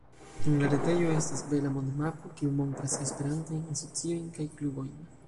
En la retejo estas bela mond-mapo, kiu montras Esperantajn asociojn kaj klubojn.